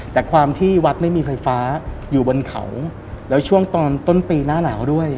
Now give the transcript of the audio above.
แต่ความที่วัดไม่มีไฟฟ้าอยู่บนเขาแล้วช่วงตอนต้นปีหน้าหนาวด้วย